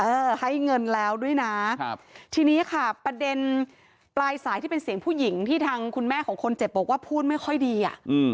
ให้เงินแล้วด้วยนะครับทีนี้ค่ะประเด็นปลายสายที่เป็นเสียงผู้หญิงที่ทางคุณแม่ของคนเจ็บบอกว่าพูดไม่ค่อยดีอ่ะ